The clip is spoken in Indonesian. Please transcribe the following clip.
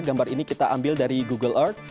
gambar ini kita ambil dari google art